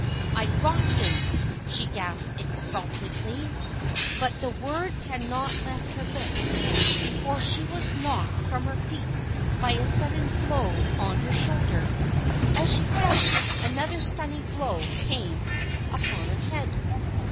"I've got him," she gasped exultantly; but the words had not left her lips before she was knocked from her feet by a sudden blow on her shoulder. As she fell, another stunning blow came upon her head.